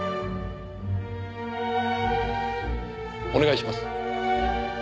お願いします。